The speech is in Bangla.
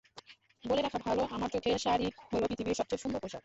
বলে রাখা ভালো, আমার চোখে শাড়ি হলো পৃথিবীর সবচেয়ে সুন্দর পোশাক।